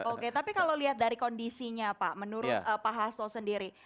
oke tapi kalau lihat dari kondisinya pak menurut pak hasto sendiri